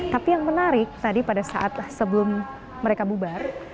tapi yang menarik tadi pada saat sebelum mereka bubar